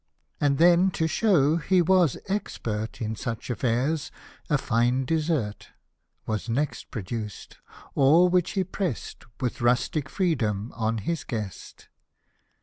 And then to show he was expert In such affairs, a fine dessert Was next produc'd, all which he press'd With rustic freedom on his guest.